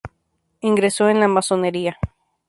Ingresó en la Masonería.